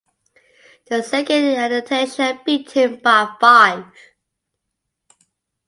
The second Anastasia beat him by five.